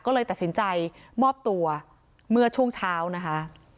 ก็เลยตัดสินใจมอบตัวเมื่อช่วงเช้านะคะ